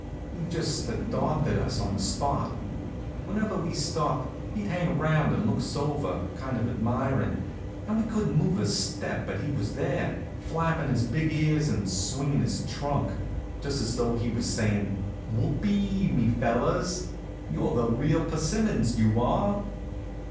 He just adopted us on the spot. Whenever we stopped he'd hang around and look us over, kind of admirin', and we couldn't move a step but he was there, flappin' his big ears and swingin' his trunk, just as though he was sayin': "Whoope e e, me fellers! You're the real persimmons, you are."